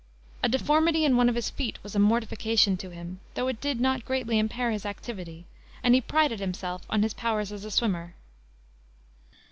A deformity in one of his feet was a mortification to him, though it did not greatly impair his activity, and he prided himself upon his powers as a swimmer.